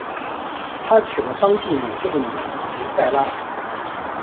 他娶了当地领袖的女儿吉塞拉。